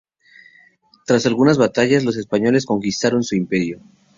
Tras algunas batallas, los españoles conquistaron su imperio.